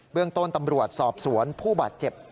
เรื่องต้นตำรวจสอบสวนผู้บาดเจ็บ